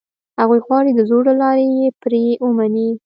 هغوی غواړي دزور له لاري یې پرې ومني.